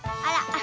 あら。